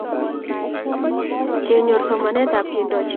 Kenyor somanet ab kendochikei